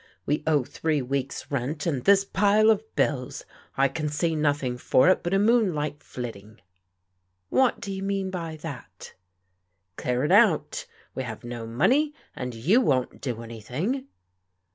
We owe three weeks' rent, and this pile of bills. I can see nothing for it but a moonlight flitting." " What do you mean by that ?"" Qearing out. We have no money, and you won't do anything."